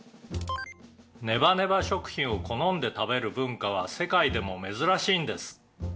「ネバネバ食品を好んで食べる文化は世界でも珍しいんです」